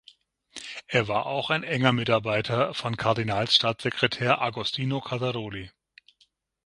Er war auch ein enger Mitarbeiter von Kardinalstaatssekretär Agostino Casaroli.